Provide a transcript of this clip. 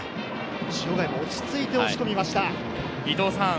塩貝が落ち着いて押し込みました。